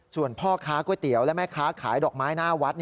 ส่วนพ่อค้าก๋วยเตี๋ยวและแม่ค้าขายดอกไม้หน้าวัด